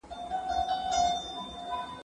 که وخت وي، سیر کوم!؟